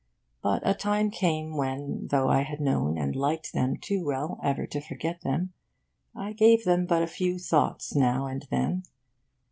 But a time came when, though I had known and liked them too well ever to forget them, I gave them but a few thoughts now and then.